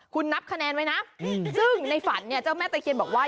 คุณนับคะแนนไว้นะซึ่งในฝันเนี่ยเจ้าแม่ตะเคียนบอกว่า